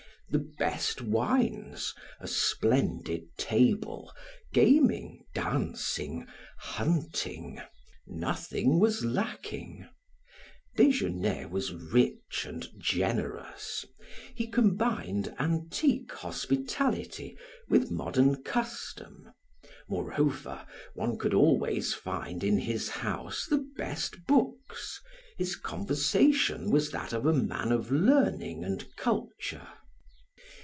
The best wines, a splendid table, gaming, dancing, hunting, nothing was lacking. Desgenais was rich and generous. He combined antique hospitality with modern custom. Moreover one could always find in his house the best books; his conversation was that of a man of learning and culture.